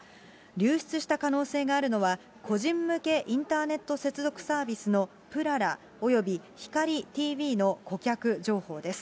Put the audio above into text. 流出した可能性があるのは、個人向けインターネット接続サービスのぷららおよびひかりＴＶの顧客情報です。